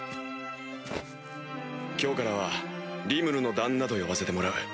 今日からはリムルの旦那と呼ばせてもらう。